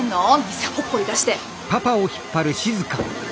店ほっぽり出して！